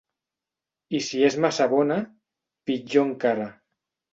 I si és massa bona, pitjor encara.